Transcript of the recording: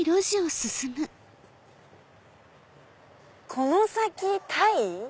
「この先タイ？」。